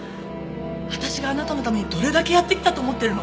私があなたのためにどれだけやってきたと思ってるの？